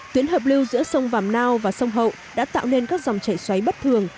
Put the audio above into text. tuyến hợp lưu giữa sông vàm nao và sông hậu đã tạo nên các dòng chảy xoáy bất thường